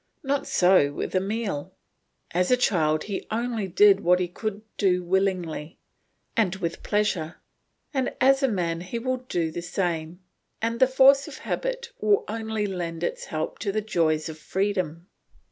Not so with Emile; as a child he only did what he could do willingly and with pleasure, and as a man he will do the same, and the force of habit will only lend its help to the joys of freedom.